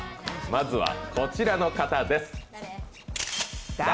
まずはこちらの方です。